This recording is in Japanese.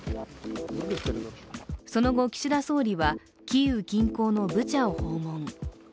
その後、岸田総理はキーウ近郊のブチャを訪問。